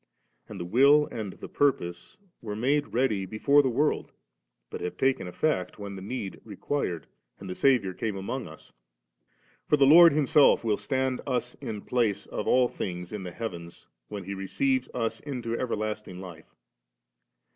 And the will and the purpose were made ready * before the world,' but have taken effect when the need required, and the Saviour came among us. For the Lord Himself will stand us in place of all things in the heavens, when He receives us into everlasting life.